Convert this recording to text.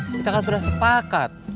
kita kan sudah sepakat